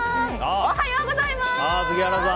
おはようございます。